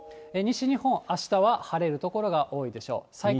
西日本、あしたは晴れる所が多いでしょう。